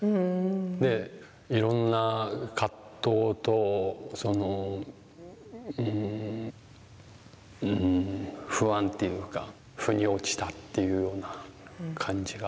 でいろんな葛藤とそのうん不安っていうかふに落ちたっていうような感じがあって。